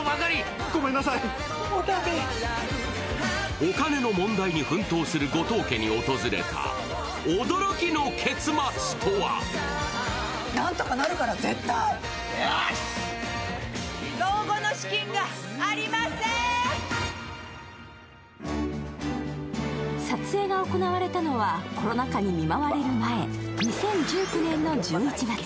お金の問題に奮闘する後藤家に訪れた、驚きの結末とは撮影が行われたのはコロナ禍に見舞われる前２０１９年の１１月。